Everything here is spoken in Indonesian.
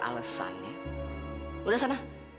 alesannya udah sana